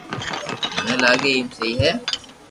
مني لاگيي ايم سھي ھي